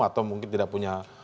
atau mungkin tidak punya